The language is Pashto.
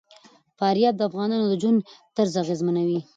فاریاب د افغانانو د ژوند طرز اغېزمنوي.